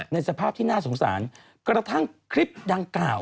ในสภาพที่น่าสงสารกระทั่งคลิปดังกล่าว